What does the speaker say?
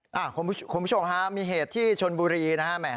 คุณผู้ชมครับมีเหตุที่ชนบุรีนะครับ